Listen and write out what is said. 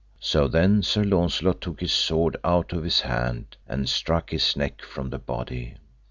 So then Sir Launcelot took his sword out of his hand, and struck his neck from the body.